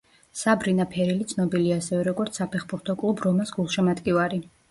საბრინა ფერილი ცნობილია ასევე როგორც საფეხბურთო კლუბ რომას გულშემატკივარი.